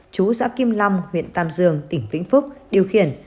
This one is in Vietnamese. chú xã kim long huyện tam dương tỉnh vĩnh phúc điều khiển